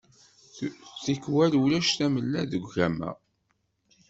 Tikwal ulac tamella deg ugama.